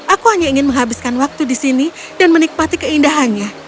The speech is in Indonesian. aku hanya ingin menghabiskan waktu di sini dan menikmati keindahannya